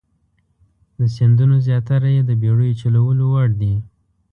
د سیندونو زیاتره یې د بیړیو چلولو وړ دي.